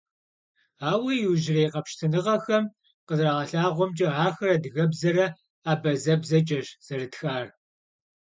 Ауэ иужьрей къэпщытэныгъэхэм къызэрагъэлъэгъуамкӀэ, ахэр адыгэбзэрэ абазэбзэкӀэщ зэрытхар.